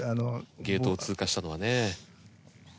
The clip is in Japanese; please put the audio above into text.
ゲートを通過したのはね。